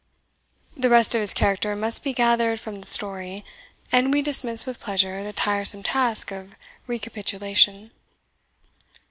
The rest of his character must be gathered from the story, and we dismiss with pleasure the tiresome task of recapitulation.